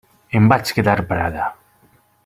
Em vaig quedar parada.